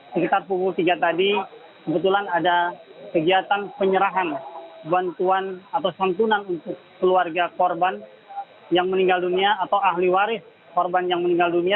sekitar pukul tiga tadi kebetulan ada kegiatan penyerahan bantuan atau santunan untuk keluarga korban yang meninggal dunia atau ahli waris korban yang meninggal dunia